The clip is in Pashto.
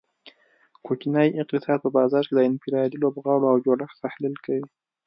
کوچنی اقتصاد په بازار کې د انفرادي لوبغاړو او جوړښت تحلیل کوي